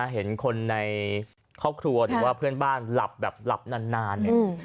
เห็นคนในครอบครัวหรือว่าเพื่อนบ้านหลับแบบหลับนานเนี่ย